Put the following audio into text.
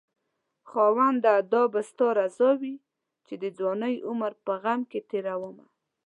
خاونده دا به ستا رضاوي چې دځوانۍ عمر په غم کې تيرومه